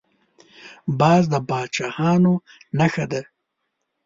باز د پاچاهانو نښه وه